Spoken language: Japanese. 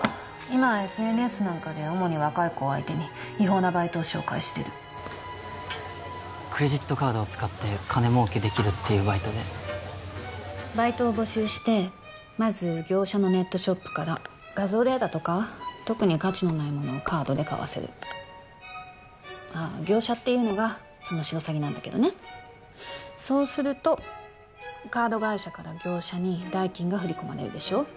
今はＳＮＳなんかで主に若い子を相手に違法なバイトを紹介してるクレジットカードを使って金儲けできるっていうバイトでバイトを募集してまず業者のネットショップから画像データとか特に価値のないものをカードで買わせる業者っていうのがそのシロサギなんだけどねそうするとカード会社から業者に代金が振り込まれるでしょ